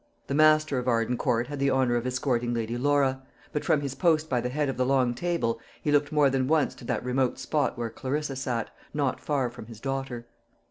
The master of Arden Court had the honour of escorting Lady Laura; but from his post by the head of the long table he looked more than once to that remote spot where Clarissa sat, not far from his daughter.